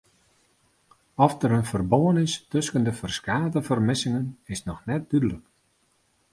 Oft der in ferbân is tusken de ferskate fermissingen is noch net dúdlik.